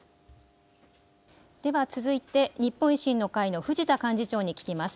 では続いて日本維新の会の藤田幹事長に聞きます。